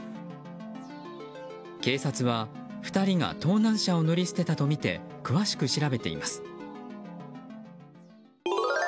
警察は２人が盗難車を乗り捨てたとみて詳しく調べています。